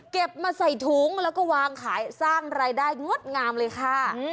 มาใส่ถุงแล้วก็วางขายสร้างรายได้งดงามเลยค่ะ